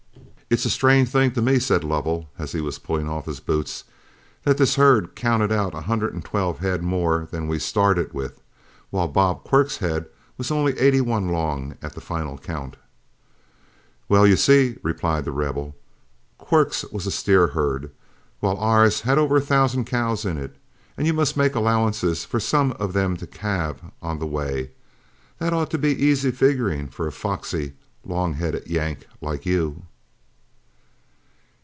"It's a strange thing to me," said Lovell, as he was pulling off his boots, "that this herd counted out a hundred and twelve head more than we started with, while Bob Quirk's herd was only eighty one long at the final count;" "Well, you see," replied The Rebel, "Quirk's was a steer herd, while ours had over a thousand cows in it, and you must make allowance for some of them to calve on the way. That ought to be easy figuring for a foxy, long headed Yank like you."